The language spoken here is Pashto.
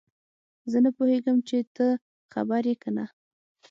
زه نه پوهیږم چې ته خبر یې که نه